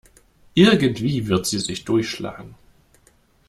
Irgendwie wird sie sich durchschlagen.